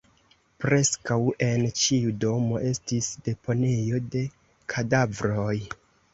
Preskaŭ en ĉiu domo estis deponejo de kadavroj.